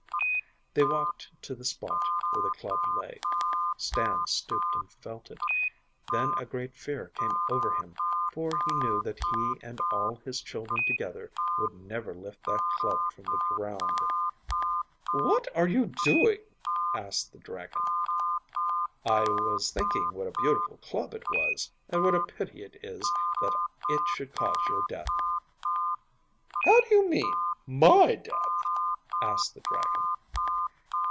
They walked to the spot where the club lay. Stan stooped and felt it; then a great fear came over him, for he knew that he and all his children together would never lift that club from the ground. 'What are you doing?' asked the dragon. 'I was thinking what a beautiful club it was, and what a pity it is that it should cause your death.' 'How do you mean my death?' asked the dragon.